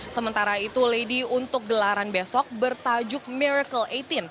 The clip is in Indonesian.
sementara itu lady untuk gelaran besok bertajuk miracle delapan belas